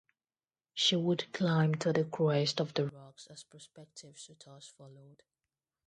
She would climb to the crest of the rocks as prospective suitors followed.